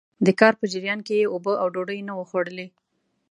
د کار په جريان کې يې اوبه او ډوډۍ نه وو خوړلي.